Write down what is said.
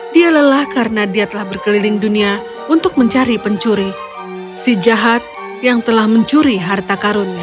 dia lelah karena dia telah berkeliling dunia untuk mencari pencuri si jahat yang telah mencuri harta karunnya